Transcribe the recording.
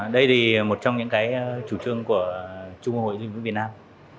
đây thì một trong những cái chủ trương của trung hội du lịch việt nam